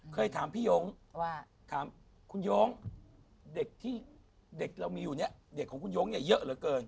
เคยถามพี่ยงว่าถามคุณโย้งเด็กที่เด็กเรามีอยู่เนี่ยเด็กของคุณโย้งเนี่ยเยอะเหลือเกิน